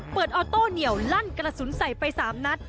เปิดออโต้เหนี่ยวลั่นกระสุนใส่ไปสามนัด